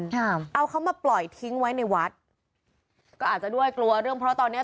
ค่ะเอาเขามาปล่อยทิ้งไว้ในวัดก็อาจจะด้วยกลัวเรื่องเพราะตอนเนี้ย